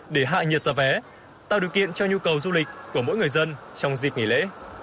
để hạ nhiệt giá vé tạo điều kiện cho nhu cầu du lịch của mỗi người dân trong dịp nghỉ lễ